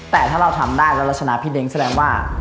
แต่ถ้าเราทำได้แล้วเราชนะพี่เด้งแสดงว่า